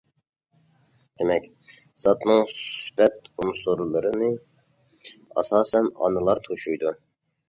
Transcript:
دېمەك، زاتنىڭ سۈپەت ئۇنسۇرلىرىنى ئاساسەن ئانىلار توشۇيدۇ.